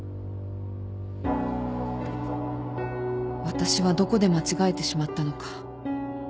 私はどこで間違えてしまったのか